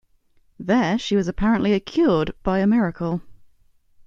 There, she was apparently cured by a miracle.